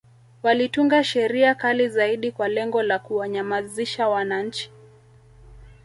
Walitunga Sheria kali zaidi kwa lengo la kuwanyamanzisha wananchi